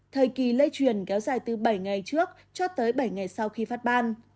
thời kỳ lây truyền kéo dài từ bảy ngày trước cho tới bảy ngày sau khi phát ban